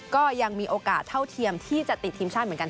ก็ยังมีโอกาสเท่าเทียมที่จะติดทีมชาติเหมือนกัน